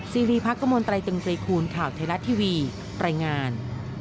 ซีรีส์พักธรรมนตรายตึงตรีคูณข่าวไทยรัฐทีวีแปรงงาน